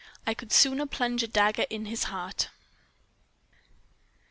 "I COULD SOONER PLUNGE A DAGGER IN HIS HEART."